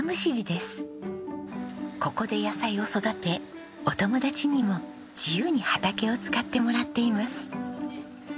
ここで野菜を育てお友達にも自由に畑を使ってもらっています。